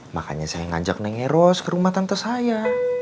makanya saya ngajak neng eros ke rumah tante saya